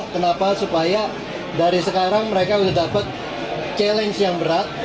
kenapa supaya dari sekarang mereka sudah dapat challenge yang berat